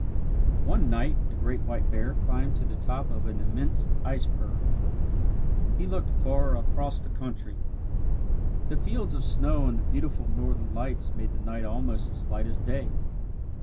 One night the great white bear climbed to the top of an immense iceberg. He looked far across the country. The fields of snow and the beautiful northern lights made the night almost as light as day.